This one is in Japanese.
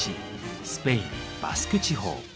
スペイン・バスク地方。